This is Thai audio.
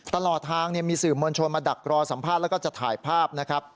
ตลอดทางมีสื่อมวลชนมาดักรอสัมภาษณ์แล้วก็จะถ่ายภาพนะครับ